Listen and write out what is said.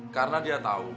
karena dia tahu